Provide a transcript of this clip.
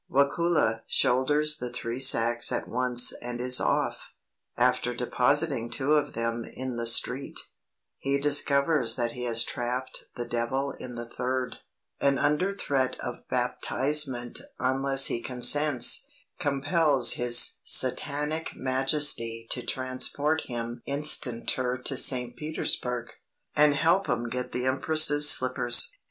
Wakula shoulders the three sacks at once and is off. After depositing two of them in the street, he discovers that he has trapped the devil in the third, and under threat of baptizement unless he consents, compels his satanic majesty to transport him instanter to St. Petersburg, and help him get the empress's slippers.